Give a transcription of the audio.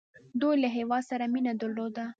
دوی له هیواد سره مینه درلوده.